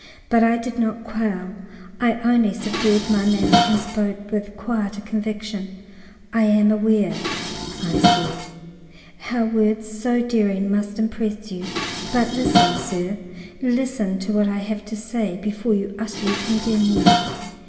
But I did not quail; I only subdued my manner and spoke with quieter conviction. "I am aware," said I, "how words so daring must impress you. But listen, sir; listen to what I have to say before you utterly condemn me.